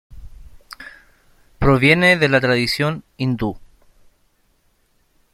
Proviene de la tradición Hindú.